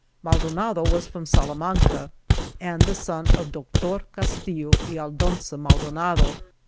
Maldonado was from Sala manca, and the son of Doctor Castillo and Aldonza Maldonado.